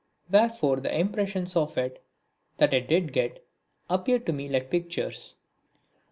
Wherefore the impressions of it that I did get appeared to me like pictures.